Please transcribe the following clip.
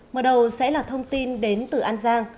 mở đầu sẽ là thông tin đến từ an giang